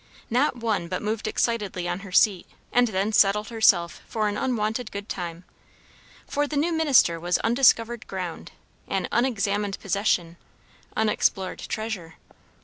Not one but moved excitedly on her seat, and then settled herself for an unwonted good time. For the new minister was undiscovered ground; an unexamined possession; unexplored treasure.